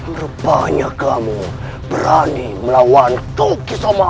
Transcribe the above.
merupanya kamu berani melawan tuk kisoma